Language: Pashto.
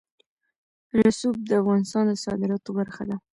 رسوب د افغانستان د صادراتو برخه ده.